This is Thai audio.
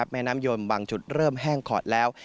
แม่น้ำยนต์บางจุดเริ่มแห้งขอดแล้ว